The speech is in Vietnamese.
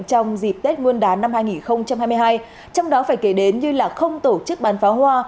trong dịp tết nguyên đán năm hai nghìn hai mươi hai trong đó phải kể đến như không tổ chức bán pháo hoa